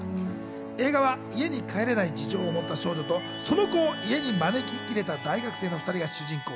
映画は家に帰れない事情を持った少女と、その子を家に招き入れた大学生の２人が主人公。